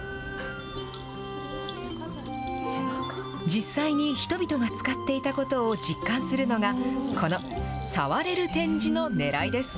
実際に人々が使っていたことを実感するのが、このさわれる展示のねらいです。